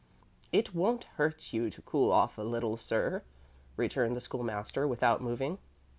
"It won't hurt you to cool off a little, sir," returned the School master, without moving.